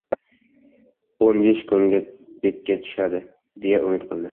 O‘n besh kunlikka tushadi, deya umid qildi.